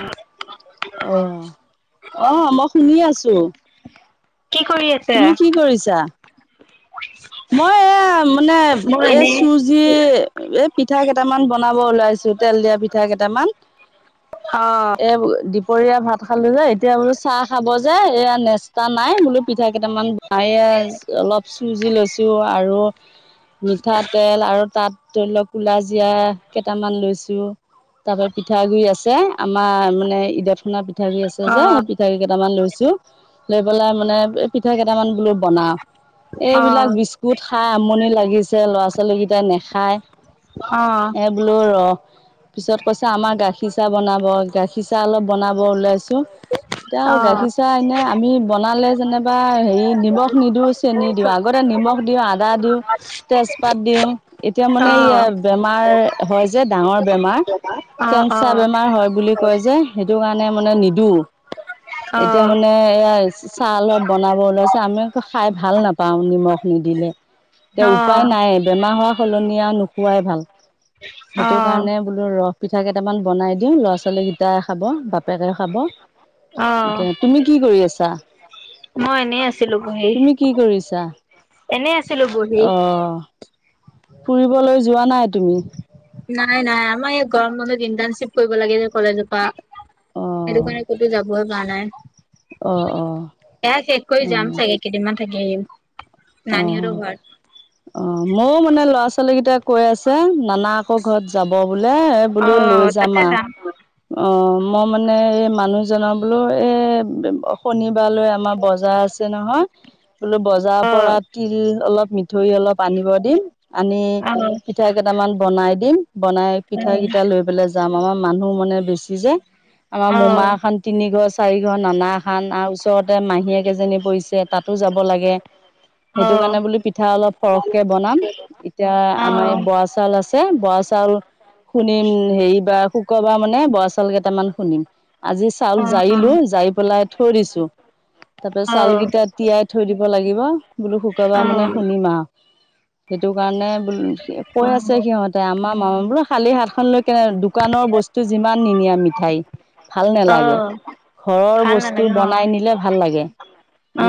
অ অ আহ মই শুনি আছো। কি কৰি আছ? তুমি কি কৰিছা? [unintelligible] মই এ মানে মই এ এনেই চুজ যি এ পিঠা কেইটামান বনাব ওলাইছো, তেল দিয়া পিঠা কেইটামান। অ এ দি- দুপৰীয়া ভাত খালো যে এতিয়া বোলো চাহ খাব যে এয়া নেচকা নাই বোলো পিঠা কেইটামান [unintelligible] অলপ চুজি লৈছো আৰু মিঠাতেল আৰু তাত ধৰি লওঁ কুলাজিৰা কেইটামান লৈছো। তাৰ পৰা পিঠাগুৰি আছে আমাৰ মানে ঈদাৰ খুনা পি পিঠাগুৰি আছে অ যে সেই পিঠাগুৰি কেইটামান লৈছো, লৈ পেলাই মানে এই পিঠা কেইটামান বোলো বনাও। অ অ এইবিলাক বিস্কুট খাই আমনি লাগিছে ল'ৰা ছোৱালীকেইটাই নাখায়। অ। বোলো ৰ পিছত কৈছে আমাৰ গাখীৰ চাহ বনাব গাখীৰ চাহ অলপ বনাব, গাখীৰ চাহ অলপ বনাব ওলাইছোঁ। এতিয়া গাখীৰ চাহ এনে আমি বনালে যেনিবা হেৰি নিমখ নিদি চেনি দিওঁ, আগতে নিমখ দিওঁ, আদা দিওঁ, তেজপাত দিওঁ, এতিয়া অ অ মানে ই বেমাৰ হয় যে ডাঙৰ বেমাৰ, কেন্ঞ্চাৰ অ বেমাৰ হয় বুলি কয় যে সেইটো কাৰণে মানে নিদো, অ এতিয়া মানে চাহ অলপ বনাব ওলাইছো, আমি আকৌ খাই ভাল নাপাওঁ নিমখ নিদিলে। এতিয়া উপায় নাই। বেমাৰ হোৱা সলনি আৰু নোখোৱাই ভাল অ অ সেইটো কাৰণে বোলো ৰ পিঠা কেইটামান বনাই দিওঁ ল'ৰা ছোৱালী কেইটাই খাব, বাপেকে খাব, ইটা তুমি কি কৰি আছা? মই এনেই আছিলো বহি। তুমি কি কৰিছা? এনেই আছিলো বহি। অ ফুৰিবলৈ যোৱা নাই তুমি। নাই নাই আমাৰ ইয় গৰম বন্ধত ইণ্টাৰ্ণশ্বিপ কৰিব লাগে যে কলেজ পা। সেইটো অ', কাৰণে ক'তো যাবইে পৰা নাই। অ অ এয়া শেষ কৰি যাম অ', চাগে কেইদিনমান থাকি আহিম নানিহঁত অ', ঘৰত। অ মইও মানে ল'ৰা ছোৱালী কেইটাই কৈ আছে নানা। ক ঘৰত যাব বোলে এ অ বোলো লৈ যাম তাতে আ। অ মই মানে এই মানুহ জনৰ বোলো এ শনিবাৰলৈ আমাৰ বজাৰ আছ। ছে নহয় বোলো বজাৰ অ পৰা তিল অলপ মি। ধই অলপ আনিব দিম আনি পিঠা কেইটামান বনাই দিম বনাই। পিঠা কেইটা লৈ পেলাই যাম আমাৰ মানুহ মানে বেছি যে আমাৰ অ অ মোমা অ এখন। তিনি ঘৰ চাৰি ঘৰ নানাখান আৰু ওচৰতে মাহীয়েকেইজনী পৰিছে তাতো যাব লাগে। সেইটো অ', কাৰণে বোলো পিঠা অলপ সৰহকে বনাম এতিয়া আমাৰ এই অ', বৰাছ। চাউল আছে বৰা চাউল। শুনিম হেৰিবাৰ শুক্ৰবাৰ মানে বৰা চাউল কেইটামান শুনিম। আজি চাউল জাৰিলো যাই পেলাই থৈ দিছো। তাৰপাছ অ', চউলকেইটা তিয়াই থৈ দিব লাগিব বোলো শুকাবা মানে শুনিম আৰু। সেইটো কাৰণে বোল কৈ আছে সিহঁতে আমাৰ মামা বোলো খালি হাত খন লৈ কেনে দোকানৰ বস। টো যিমান নিনিয়া মিঠাই। ভাল নালাগে অ', ঘৰৰ ভাল বস্তু নালাগে অ', বনাই নিলে ভাল লাগে।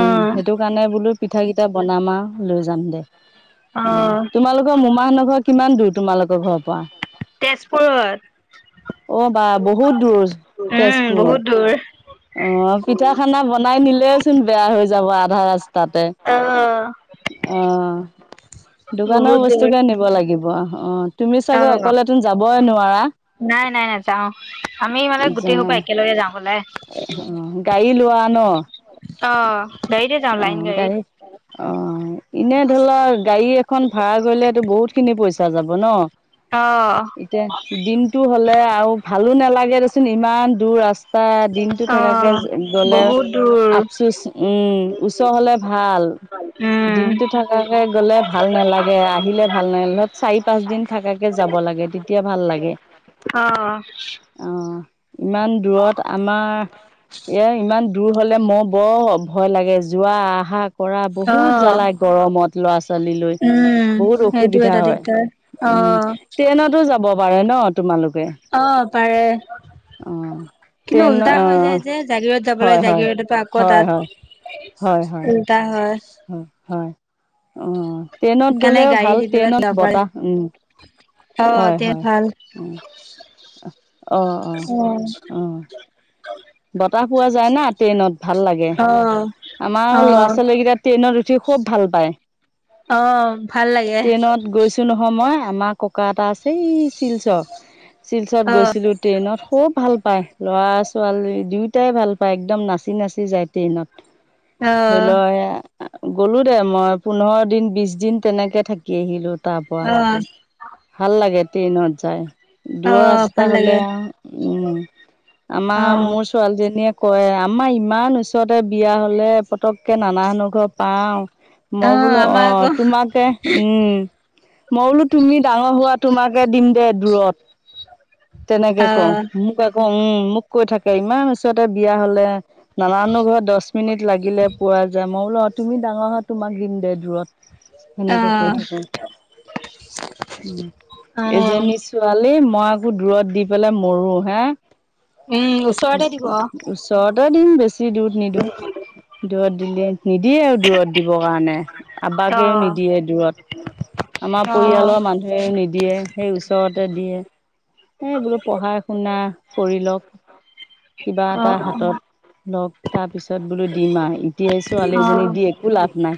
উম সেইটো কাৰণে বোলো পিঠা কিটা বনাম আৰু লৈ যাম দে অ তোমালো। [inaudible] মূমা নঘ কিমান দূৰ তোমালোকৰ ঘৰ পৰা। [unintelligible] অ বা বহুত দূৰ। উম তেজপুৰ বহুত দূৰ। অ পিঠা খানা বনাই নিলেওচোন বেয়া হৈ যাব আধা ৰাস্তাতে। অ', অ দোকানৰ বহুত দূৰ বস্তু কে নিব লাগিব অ। তুমি চাগে অ', অকলেটোন যাবই নোৱাৰা। নাই নাই নাই যাও আমি মানে গোটেই সপা একেলগে যাওঁ বলে। [inaudible] অ গাড়ী লোৱা ন। অ গাড়ীতে যাওঁ অ লাইন গাড়ীত। গাড়ী অ এনে ধৰি লোৱা গাড়ী এখন ভাড়া কৰিলেতটো বহুত খিনি পইচা যাব ন। অ। এতিয়া দিনতটো হ'লে আৰু ভালো নালাগে দেচোন ইমান দূৰ ৰাস্তাত। দিনতটো অ', থকাকে গলে বহুত দূৰ আফচুচ উম ওচৰ হলে ভাল। উম। দিনটো থকাকৈ গ'লে ভাল নালাগে আহিলে ভাল নালাগে চাৰি পাঁচদিন থকাকৈ যাব লাগে তে। তিয়া ভাল লাগে। অ। অ ইমান দূৰত। আমাৰ ইয়ে ইমান দূৰ হলে মোৰ বৰ ভয় লাগে যোৱা আহা। কৰা বহুত অ', জ্বালাই গৰমত। লৰা ছোৱালী লৈ উম, বহুত সেইটো অসুবিধা এটা হয় দিগদাৰ উম অ', ট্ৰেইনতো যা। ব পাৰে ন তোমালোকে। আহ পাৰে। অ', কিন্তু ট্ৰেইন উল্টা হৈ অ', যায় যে জাগিৰত যাব হয়, লাগে হয়। জাগিৰততো আকৌ হয়, হয়, তাত, হয়, হয়, উম। তা হয়। হয় হয়, অ ট্ৰেইনত সেইকাৰণে গ'লেও গাড়ী দি ভাল পেলাই যাব ট্ৰেইনত পাৰে বতাহ উম। অ হয় তে হয় ভাল উম, অ অ অ। বতাহ পোৱা যায় না ট্ৰেইনত ভাল লাগে, অ আমাৰ অ ল'ৰা ছোৱালীকেইটাত- ট্ৰেইনত উঠি খুব ভাল পায়। অ ভাল লাগে। হয় মই আমাৰ ককা এটা আছে এই শিলচৰ। শিলচৰত অ গৈছিলো ট্ৰেইনত খব ভাল পাই ল'ৰা ছোৱালী- দুয়োটাই ভাল পায় একদম নাচি নাচি যায় ট্ৰেইনত, অ ধৰি লোৱা- গ'লো দে মই পোন্ধৰ দিন বিশ দিন তেনেকে থাকি আহিলো। তাৰ পোৱা, অ ভাল লাগে ট্ৰেইনত জাই। অ দূৰৰ ৰাস্তা ভাল হলে লাগে আৰু উম, অ আমাৰ মোৰ- ছোৱালীজনীয়ে কয় আমাৰ ইমান ওচৰতে বিয়া হলে পতককে নানা হনহ ঘৰ পাওঁ। অ মই বোলো অ আমাৰ আকৌ তোমাকে উম। মই বোলো তুমি ডাঙৰ হোৱা তোমাকে দিম দে দূৰত। তেনেকে অ কওঁ মোক আকৌ উম মোক কৈ থাকে ইমান ওচৰতে বিয়া হলে- নানানু ঘৰ দহ মিনিট লাগিলে পোৱা যায় মই বোলো তুমি ডাঙৰ হয় তোমাক দিম দে দূৰত। অ সেনেকে কৈ থাকো, উম অ এজনি - ছোৱালী মই আকৌ দূৰত দি পেলাই মৰো হে। উম ওচৰতে দিব অ ওচৰতে দিম বেছি দৰত নিদিওঁ, দৰত দিলি- নিদিয়ে আৰু দূৰত দিবৰ কাৰণে। অ আবাকেও নিদিয়ে দূৰত, আমাৰ অ অ পৰিয়ালৰ মানুহ- সেই নিদিয়ে সেই ওচৰতে দিয়ে। এ বোলো পঢ়া শুনা কৰি লওক। কিবা অ এটা উম হাতত লক, তাৰপিছত বোলো দিম আৰু এতিয়াই ছোৱালী অ এজনী দিয়ে- একো লাভ নাই,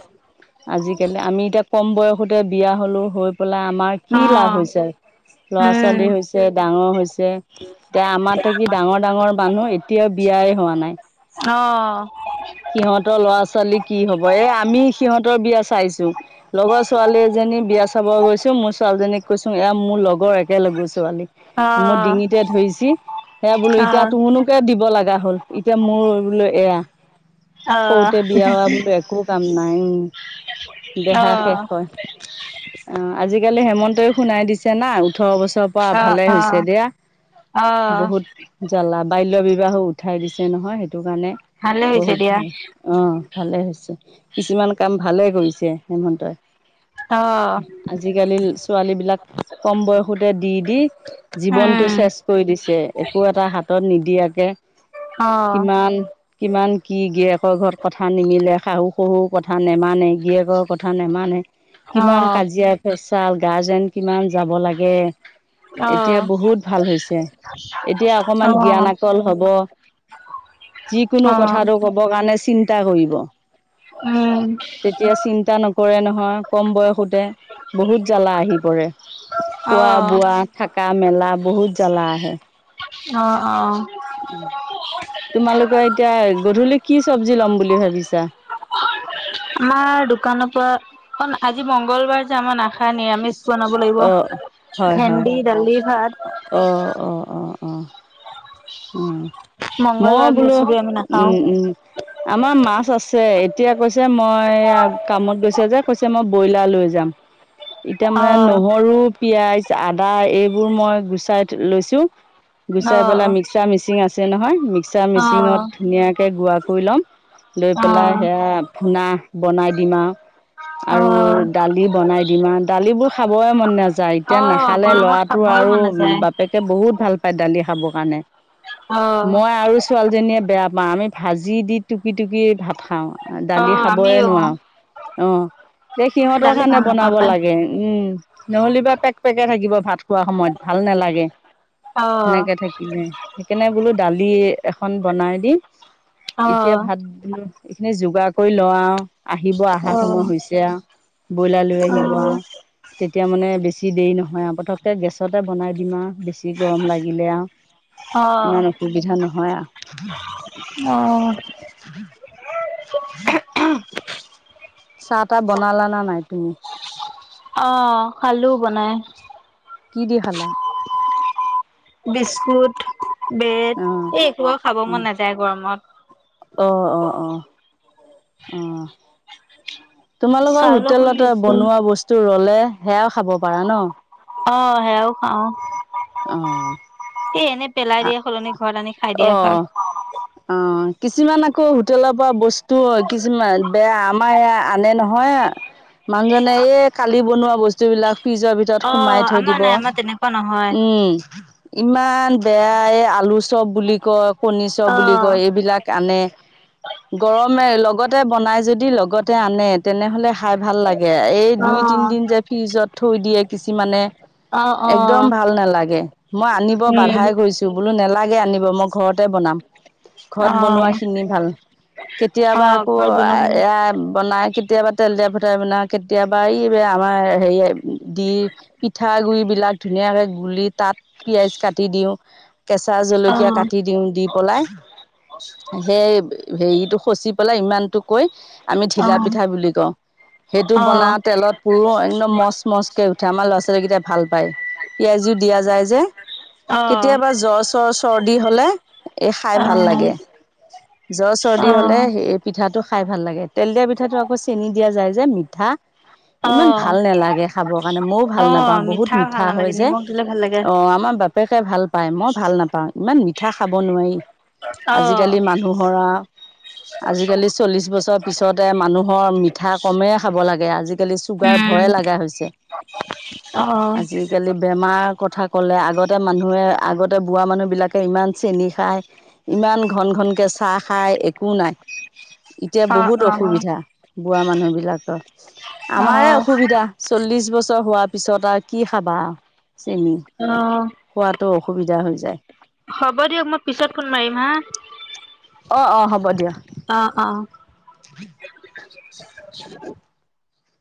আজিকালি আমি এতিয়া কম বয়সতে বিয়া হলো হৈ পেলাই আমাৰ- কি লাভ হৈছে, ল'ৰা ছোৱালী হৈছে ডাঙৰ হৈছে, এতিয়া আমাৰ থাকি- ডাঙৰ ডাঙৰ মানুহ এতিয়াও বিয়াই হোৱা নাই। অ। সিহঁতৰ ল'ৰা ছোৱালী কি হব এ আমি সিহঁতৰ বিয়া চাইছো। লগৰ ছোৱালী এজনী বিয়া চাব গৈছো মোৰ ছোৱালীজনীক কৈছো এ মোৰ লগৰ। এক লগৰ ছোৱালী অ মোৰ ডিঙিতে ধৰিছ সে বোলো এতিয়া তোৰনো- দিব লগা হ'ল এতিয়া মোৰ বোলো এয়া, অ অ সৰুতে বিয়া হোৱা বুলি। একো কাম নাই উম, দেহা শেষ অ', হয়। অ আজিকালি হেমন্তই শুনাই দিছে না ওঠৰ বছৰ- পৰা অ', ভালেই হৈছে অ', দিয়া, অ', বহুত- জ্বালা বাল্য বিবাহো উঠাই দিছে নহয়, সেইটো কাৰণে ভালে হৈছে বহুত দিয়া। ভাল। অ ভালে হৈছে, কিছুমান কাম ভালে কৰিছে হেমন্তয়ে। অ। আজিকালি ছোৱালীবিলাক কম বয়সতে, দি দি- জীৱনতটো উম, চেচ কৰি দিছে একো এটা হাতত নিদিয়াকে, অ', কিমান- কিমান কি গিয়েকৰ ঘৰত কথা নিমিলে শাহু শহুৰ কথা নেমানে গিয়েকৰ কথা নেমানে। কিমান অ', কাজিয়া পেচাল গাৰ্জেন কিমান যাব লাগে। অ', এতিয়া অ', বহুত ভাল হৈছে, এতিয়া অকমান অ', জ্ঞানকল হব। যিকোনো কথাটো ক'ব কাৰণে চিন্তা কৰিব। উম। তেতিয়া চিন্তা নকৰে নহয়। কম বয়সতে বহুত জ্বালা আহি পৰে খোৱা অ', বোৱা থকা, মেলা বহুত জ্বালা আহে। অঁ অঁ। তোমালোকৰ এতিয়া গধূলি কি চব্জি লম বুলি ভাবিছা? আমাৰ দোকানৰ পৰা অঁ' আজি মংগলবাৰ যে আমাৰ নাখায় নিৰামিষ বনাব অ লাগিব। ভেন্দি, দালি, ভাত। অঁ অঁ অঁ অঁ। উমঁ' মই মংগলবাৰ, বোলো, বৃহস্পতিবাৰে আমি নাখাওঁ। উমঁ উমঁ। আমাৰ মাছ আছে, এতিয়া কৈছে মই এইয়া কামত গৈছে যে কৈছে মই ব্ৰইলাৰ লৈ যাম। [unintelligible] এতিয়া মানে অ', নহৰু, পিয়াজ, আদা এইবোৰ মই গুচাই লৈছো। গুচাই অ', পেলাই মিক্সাৰ মেচিন আছে নহয়, মিক্সাৰ মেচিনত অ', ধুনীয়াকৈ গুড়া কৰি ল'ম। লৈ পেলাই অ', সেয়া ফূনা বনাই দিম আৰু। আৰু অ', দালি বনাই দিম আৰু দালিবোৰ খাবই মন নাযায়। এতিয়া অ', নাখালে গৰমত ল'ৰা তো খাবই আৰু মন নাযায়। বাপেকে বহুত ভাল পায় দালি খাবৰ কাৰণে। অ', মই আৰু ছোৱালীজনীয়ে বেয়া পাওঁ। আমি ভাজি দি টুকি টুকিয়ে ভাত খাওঁ। দালি অ' খাবই আমিও নোৱাৰো। অঁ' সে সিহঁতৰ দালি কাৰণে ভাল নাপাওঁ বনাব খাই। লাগে উমঁ। নহ'লে বা পেক-পেকায় থাকিব ভাত খোৱা সময়ত ভাল নালাগে অ' সেনেকে থাকিলে। সেইদিনা বোলো দালি এখন বনাই দিম এতিয়া অ' ভাত এইখিনি যোগাৰ কৰি লওঁ আৰু। আহিব আহা সময় হৈছে আৰু ব্ৰইলাৰ লৈ আহিব আৰু। তেতিয়া মানে বেছি দেৰি নহয় আৰু পটককে গেছতে বনাই দিম আৰু বেছি গৰম লাগিলে আৰু। ইমান অসুবিধা নহয় আৰু। অঁ। চাহ তাহ বনালা নে নাই তুমি? অঁ' খালো বনাই? কি দি খালা? বিস্কুট, ব্ৰেড অঁ এই একো খাব অঁ মন নাযায় গৰমত। অঁ অঁ অঁ অঁ। তোমালোকৰ চাউলৰ গুৰি হোটেলতে আছে। বনোৱা বস্তু ৰলে সেয়াও খাব পাৰা ন? অঁ' সেয়াও খাওঁ। অঁ এ এনে পেলাই দিয়া সলনি ঘৰত আনি খাই দিয়াই ভাল। অঁ। অঁ কিছুমান আকৌ হোটেলৰ পৰা বস্তু কিছুমান বেয়া আমাৰ এয়া আনে নহয়। মানুহজনে এই কালি বনোৱা বস্তু বিলাক ফ্ৰিজৰ ভিতৰত সোমাই থৈ দিব। কুৱা নহয়। উমঁ' ইমান বেয়া এই আলু চপ বুলি কয় কণী চপ বুলি অ' কয় এইবিলাক আনে। গৰমে লগতে বনাই যদি লগতে আনে তেনে হ'লে খাই ভাল লাগে। এই অ দুই তিনিদিন যে ফ্ৰিজত থৈ দিয়ে কিছুমানে। অঁ অঁ। দম ভাল নালাগে মই আনিব বাধাই কৰিছোঁ বোলো নেলাগে আনিব মই ঘৰতে বনাম। ঘৰত বনোৱা অ' খিনি ভাল। কেতিয়াবা অ' আকৌ ঘৰত বনোৱা ভাল। এয়াই বনাই কে। কেতিয়াবা তেল দিয়া ফুটাই মনা কেতিয়াবা এই আমাৰ হেৰি দি। পিঠা গুৰি বিলাক। ধুনীয়াকে গুলি তাত পিয়াজ কাটি দিওঁ কেঁচা জলকীয়া অ' কাটি দিও দি। পলাই সেই হেৰিটো সচি পেলাই ইমানটো কৈ। আমি ঢিলা পিঠা বুলি কওঁ। সেইটো অ' বনাও তেলত পুৰো একদম মচ মচকে উঠে আমাৰ ল'ৰা ছোৱালীকেইটাই ভাল পায়। পিয়াজো দিয়া যায় যে। অ' অ' কেতিয়াবা জ্বৰ চৰ চৰ্দি হলে এ খাই অ', ভাল লাগে। জ্ব চৰ্দি হলে অ', হে পিঠাটো খাই ভাল লাগে তেল দিয়া পিঠাটো আকৌ চেনি দিয়া যায় যে মিঠা। ইমান অ', ভাল নালাগে খাবৰ কাৰণে মও। ভাল নাপাওঁ অ', বহুত ভাল মিঠা হয় নালাগে যে নিমখ দিলে ভাল লাগে। অ আমাৰ বা। পেকে ভাল পায় মই ভাল নাপাওঁ ইমান মিঠা খাব নোৱাৰি অ', আজিকালি মানুহ। ধৰা। আজিকালি চল্লিশ বছৰ পিছতে মানুহৰ মিঠা কমে খাব লাগে আজিকালি। চুগাৰ উম, ভয়ে লগা হৈছে অ', আজিকালি বেমাৰ কথা কলে আগত। তে মানুহে আগতে বোৰা মানুহ বিলাকে ইমান চেনি খায়। ইমান ঘন ঘনকে চাহ খাই একো নাই। এতিয়া অ', বহুত অ', অসুবিধা বুঢ়া মানুহ বিলাকৰ আমাৰে অ', অসুবিধা। চল্লিশ বছৰ হোৱাৰ পিছত আৰু কি খাবা চেনি। অ। খোৱাতটো অসুবিধা হৈ যায়। হ'ব দিয়ক মই পিছত ফোন মাৰিম হা। অ অ হ'ব দিয়া। অ অ। [unintelligible]